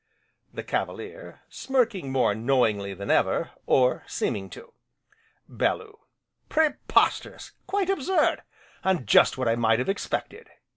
THE CAVALIER: (Smirking more knowingly than ever, or seeming to)!!! BELLEW: Preposterous! Quite absurd! and just what I might have expected.